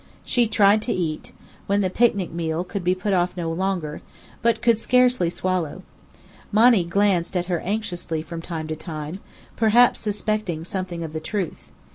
She tried to eat: when the picnic meal could be put off no longer, but could scarcely swallow. Monny glanced at her anxiously from time to time, perhaps suspecting something of the truth.